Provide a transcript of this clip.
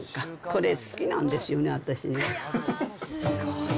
これ好きなんですよね、私ね。